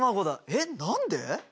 えっ何で！？